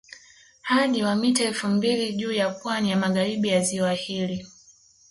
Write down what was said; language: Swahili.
Hadi wa mita elfu mbili juu ya pwani ya magharibi ya ziwa hili